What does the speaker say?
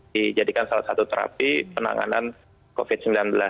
dijadikan salah satu terapi penanganan covid sembilan belas